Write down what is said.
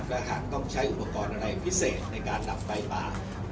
และหากต้องใช้อุปกรณ์อะไรพิเศษในการดับไฟป่า